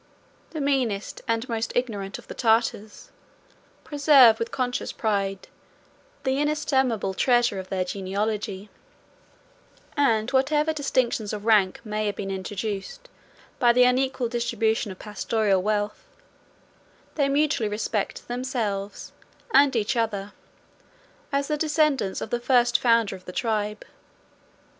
The meanest, and most ignorant, of the Tartars, preserve, with conscious pride, the inestimable treasure of their genealogy; and whatever distinctions of rank may have been introduced, by the unequal distribution of pastoral wealth, they mutually respect themselves, and each other, as the descendants of the first founder of the tribe.